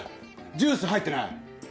ジュース入ってない！